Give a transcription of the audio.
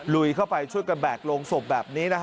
ลุยเข้าไปช่วยกันแบกโรงศพแบบนี้นะฮะ